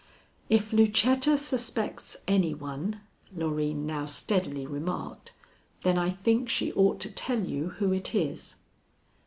"If Lucetta suspects any one," Loreen now steadily remarked, "then I think she ought to tell you who it is."